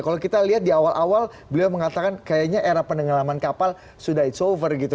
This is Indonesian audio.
kalau kita lihat di awal awal beliau mengatakan kayaknya era pendengaraman kapal sudah it's over gitu